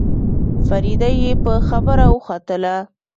فريده يې په خبره وختله.